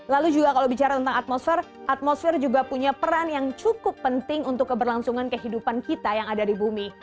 lalu juga kalau bicara tentang atmosfer atmosfer juga punya peran yang cukup penting untuk keberlangsungan kehidupan kita yang ada di bumi